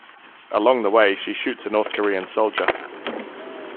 Along the way, she shoots a North Korean soldier.